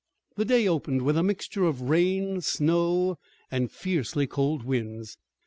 The day opened with a mixture of rain, snow, and fiercely cold winds.